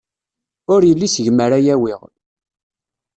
Ur yelli seg-m ara awiɣ.